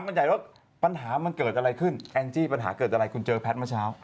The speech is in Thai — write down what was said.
มาถามเกิดอะไรขึ้นแอนจี้ปัญหาเกิดอะไรคุณเจอแพทย์เมื่อเช้า